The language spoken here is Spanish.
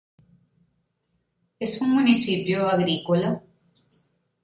Es un municipio agrícola